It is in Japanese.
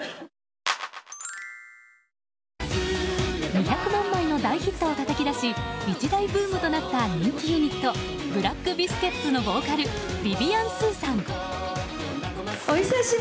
２００万枚の大ヒットをたたき出し一大ブームとなった人気ユニットブラックビスケッツのボーカルビビアン・スーさん。